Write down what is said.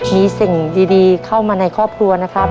มีสิ่งดีเข้ามาในครอบครัวนะครับ